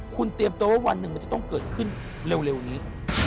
คุณเตรียมตัวว่าวันหนึ่งมันจะต้องเกิดขึ้นเร็วนี้